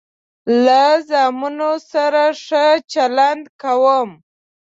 له زامنو سره ښه چلند کوم.